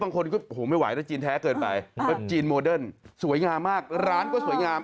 บางคนก็โอ้โหไม่ไหวนะจีนแท้เกินไปจีนโมเดิร์นสวยงามมากร้านก็สวยงาม